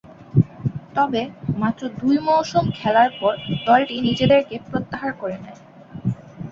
তবে, মাত্র দুই মৌসুম খেলার পর দলটি নিজেদেরকে প্রত্যাহার করে নেয়।